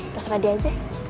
terus radia aja